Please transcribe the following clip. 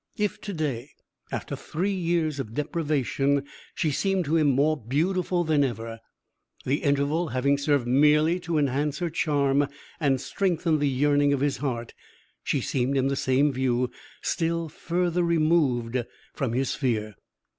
If to day, after three years of deprivation, she seemed to him more beautiful than ever the interval having served merely to enhance her charm and strengthen the yearning of his heart she seemed in the same view still further removed from his sphere.